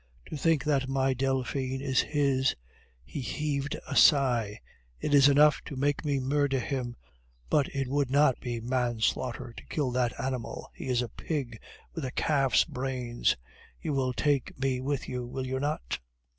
To think that my Delphine is his" he heaved a sigh "it is enough to make me murder him, but it would not be manslaughter to kill that animal; he is a pig with a calf's brains. You will take me with you, will you not?"